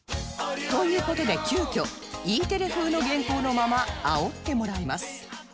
という事で急きょ Ｅ テレ風の原稿のまま煽ってもらいます